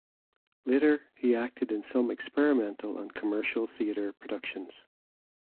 Later he acted in some experimental and commercial theatre productions.